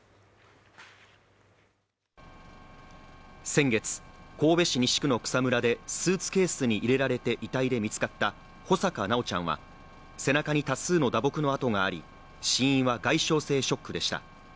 先月、神戸市西区の草むらでスーツケースに入れられて遺体で見つかった穂坂修ちゃんは、背中に多数の打撲の痕があり死因は外傷性ショックでした。